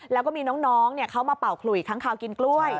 แล้วก็มีนายมาเป่าขุ่ยทั้งข้าวกินกล้วย